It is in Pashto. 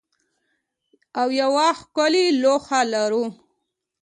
او یوه ښکلې لوحه لرو